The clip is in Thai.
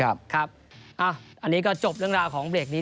อันนี้ก็จบเรื่องราวของเบรกนี้